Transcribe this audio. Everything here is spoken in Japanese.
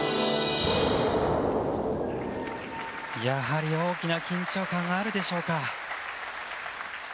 やはり大きな緊張感があるでしょうか。